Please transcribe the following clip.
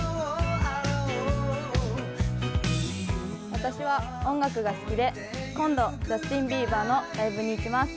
私は音楽が好きで、今度、ジャスティン・ビーバーのライブに行きます。